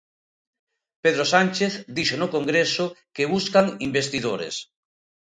Pedro Sánchez dixo no Congreso que buscan investidores.